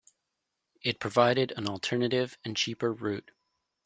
It provided an alternative and cheaper route.